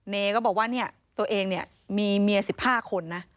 เนก็บอกว่าตัวเองมีเมีย๑๕คนนะ